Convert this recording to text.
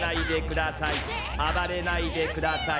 あばれないでください！